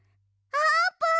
あーぷん！